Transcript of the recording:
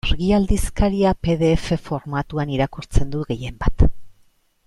Argia aldizkaria pe de efe formatuan irakurtzen dut gehienbat.